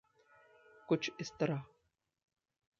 कुछ इस तरह